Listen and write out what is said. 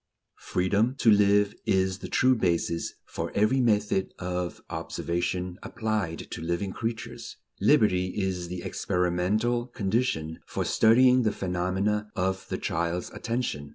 Freedom to live is the true basis for every method of observation applied to living creatures. Liberty is the experimental condition for studying the phenomena of the child's attention.